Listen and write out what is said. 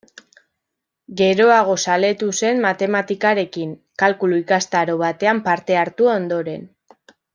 Geroago zaletu zen matematikarekin, kalkulu-ikastaro batean parte hartu ondoren.